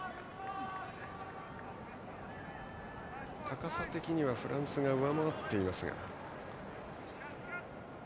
高さ的にはフランスが上回っていますが。